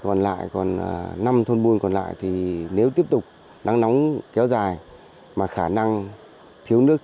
còn lại còn năm thôn buôn còn lại thì nếu tiếp tục nắng nóng kéo dài mà khả năng thiếu nước